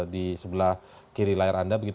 di sebelah kiri layar anda